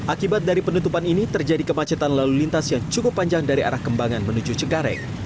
akibat dari penutupan ini terjadi kemacetan lalu lintas yang cukup panjang dari arah kembangan menuju cengkareng